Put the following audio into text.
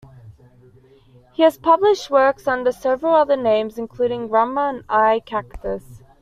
He has published works under several other names, including Grandma, and I, Cactus.